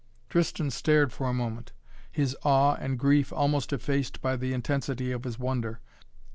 Tristan stared for a moment, his awe and grief almost effaced by the intensity of his wonder.